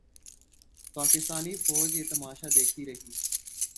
پاکستانی فوج یہ تماشا دیکھتی رہی۔